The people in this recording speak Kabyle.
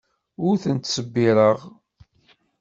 Ur ten-ttṣebbireɣ.